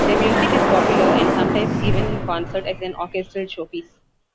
Their music is popular and sometimes given in concert as an orchestral showpiece.